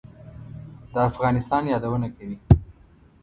د افغانستان یادونه کوي.